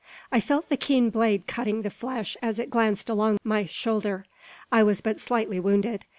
I felt the keen blade cutting the flesh as it glanced along my shoulder. I was but slightly wounded.